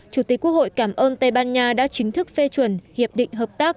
chủ tịch quốc hội cảm ơn tây ban nha đã chính thức phê chuẩn hiệp định hợp tác